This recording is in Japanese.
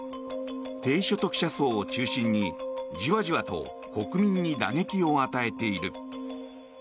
低所得者層を中心に、じわじわと国民に打撃を与えている。